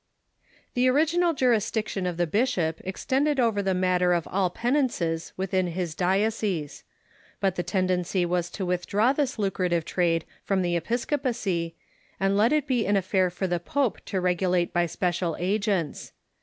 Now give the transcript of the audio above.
The original jurisdiction of the bishop extended over the matter of all penances within his diocese. But the tendency was to withdraw this lucrative trade from the epis copacy, and let it be an affair for the pope to regulate by special agents.